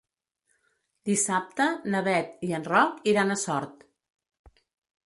Dissabte na Beth i en Roc iran a Sort.